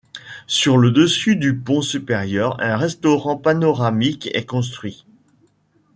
Sur le dessus du pont supérieur, un restaurant panoramique est construit.